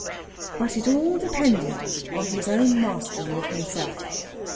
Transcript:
But it all depended on his own mastery of himself.